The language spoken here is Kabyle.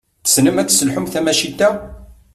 Tessnemt ad tesselḥumt tamacint-a?